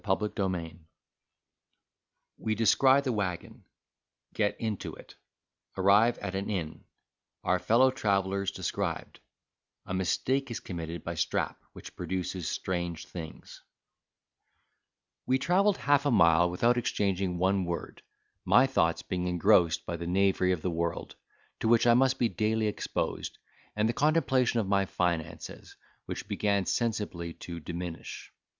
CHAPTER XI We descry the Waggon—get into it—arrive at an inn—our Fellow Travellers described—a Mistake is committed by Strap, which produces strange things We travelled half a mile without exchanging one word; my thoughts being engrossed by the knavery of the world, to which I must be daily exposed, and the contemplation of my finances, which began sensibly to diminish.